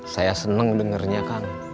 saya senang dengarnya kang